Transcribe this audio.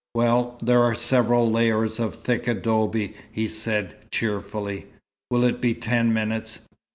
"Well, there are several layers of thick adobe," he said, cheerfully. "Will it be ten minutes?"